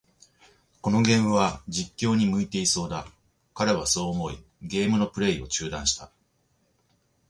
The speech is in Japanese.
このゲームは、実況に向いてそうだ。彼はそう思い、ゲームのプレイを中断した。